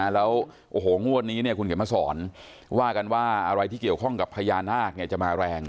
แล้วโอ้โหงวดนี้คุณเขียนมาสอนว่ากันว่าอะไรที่เกี่ยวข้องกับพญานาคจะมาแรง